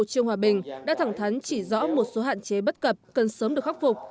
trương hòa bình đã thẳng thắn chỉ rõ một số hạn chế bất cập cần sớm được khắc phục